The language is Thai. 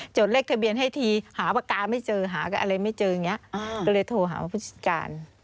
เลขทะเบียนให้ทีหาปากกาไม่เจอหาอะไรไม่เจออย่างนี้ก็เลยโทรหาว่าผู้จัดการ